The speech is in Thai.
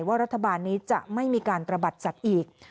รัฐบาลนี้จะไม่มีการตระบัดสัตว์อีก